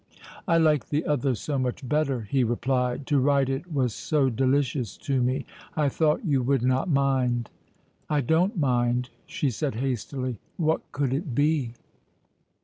"I like the other so much better," he replied. "To write it was so delicious to me, I thought you would not mind." "I don't mind," she said hastily. (What could it be?)